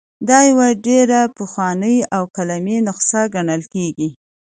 دا یوه ډېره پخوانۍ او قلمي نسخه ګڼل کیږي.